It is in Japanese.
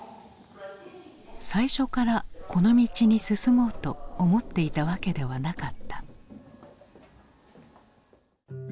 最初からこの道に進もうと思っていたわけではなかった。